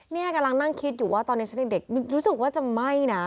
นี่กำลังนั่งคิดอยู่ว่าตอนนี้ฉันเด็กรู้สึกว่าจะไหม้นะ